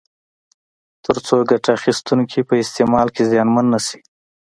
ترڅو ګټه اخیستونکي په استعمال کې زیانمن نه شي.